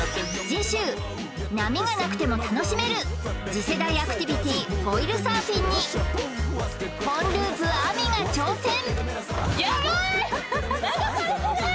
次週波がなくても楽しめる次世代アクティビティフォイルサーフィンにポンループアミが挑戦